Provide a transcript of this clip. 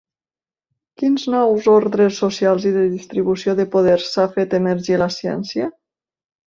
Quins nous ordres socials i de distribució de poders ha fet emergir la ciència?